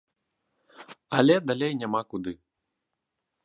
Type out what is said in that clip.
Але далей няма куды.